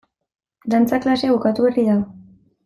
Dantza klasea bukatu berri da.